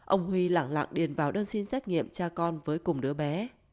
ông huy lặng lạng điền vào đơn xin xét nghiệm cha con với cùng đứa bé